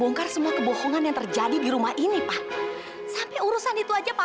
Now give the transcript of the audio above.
ini semua ada di sini buktinya pak